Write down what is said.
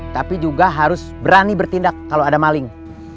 tapi juga harus berani bertindak kalau ada maling